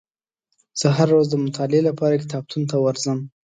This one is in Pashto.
زه هره ورځ د مطالعې لپاره کتابتون ته ورځم.